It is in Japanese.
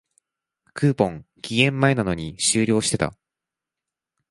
クーポン、期限前なのに終了してた